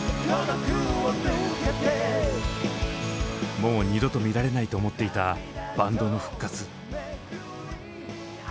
もう二度と見られないと思っていたバンドの復活。